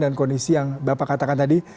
dan kondisi yang bapak katakan tadi